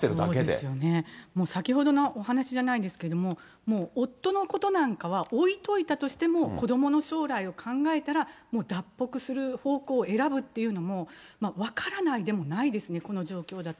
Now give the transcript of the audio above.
そうですよね、先ほどのお話じゃないですけれども、もう夫のことなんかは置いといたとしても、子どもの将来を考えたら、もう脱北する方向を選ぶっていうのも、分からないでもないですね、この状況だと。